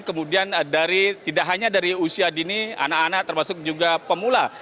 kemudian dari tidak hanya dari usia dini anak anak termasuk juga pemula